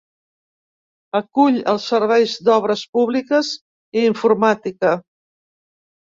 Acull els serveis d'Obres Públiques i Informàtica.